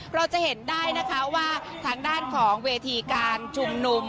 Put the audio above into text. เราจะเห็นได้นะคะว่าทางด้านของเวทีการชุมนุม